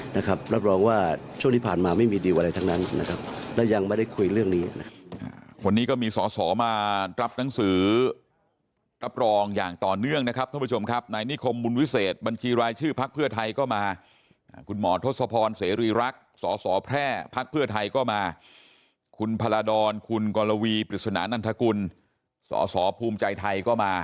รับรองว่าช่วงนี้ผ่านมาไม่มีดีวอะไรทั้งนั้นและยังไม่ได้คุยเรื่องนี้